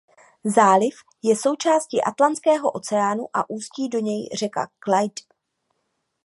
Záliv je součástí Atlantského oceánu a ústí do něj řeka Clyde.